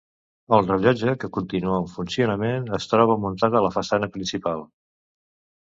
El rellotge, que continua en funcionament, es troba muntat a la façana principal.